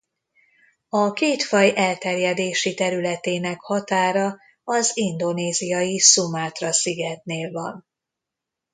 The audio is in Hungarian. A két faj elterjedési területének határa az indonéziai Szumátra szigetnél van.